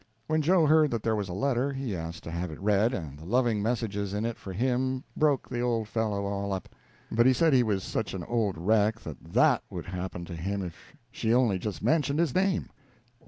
When Joe heard that there was a letter, he asked to have it read, and the loving messages in it for him broke the old fellow all up; but he said he was such an old wreck that _that _would happen to him if she only just mentioned his name.